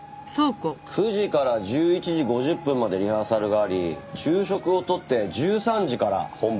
９時から１１時５０分までリハーサルがあり昼食をとって１３時から本番が始まったようです。